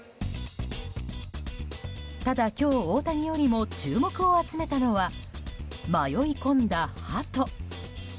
ただ今日、大谷よりも注目を集めたのは迷い込んだハト。